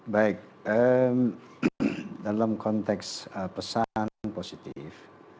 baik dalam konteks pesan positif